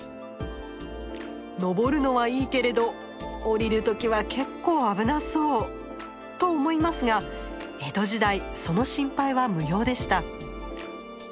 のぼるのはいいけれど下りる時は結構危なそうと思いますが江戸時代その心配は無用でした。